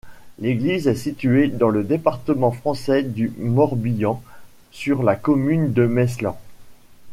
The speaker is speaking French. L'église est située dans le département français du Morbihan, sur la commune de Meslan.